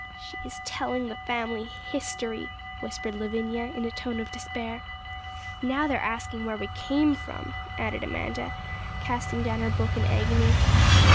'She is telling the family history,' whispered Lavinia, in a tone of despair. 'Now they are asking where we came from,' added Amanda, casting down her book in agony.